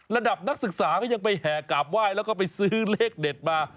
นักศึกษาก็ยังไปแห่กราบไหว้แล้วก็ไปซื้อเลขเด็ดมา